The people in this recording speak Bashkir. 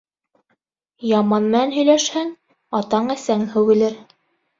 Яман менән һөйләшһәң, атаң-әсәң һүгелер.